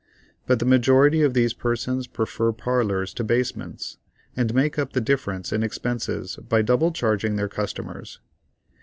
But the majority of these persons prefer parlors to basements, and make up the difference in expenses by double charging their customers.